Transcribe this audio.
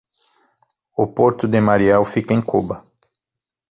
O Porto de Mariel fica em Cuba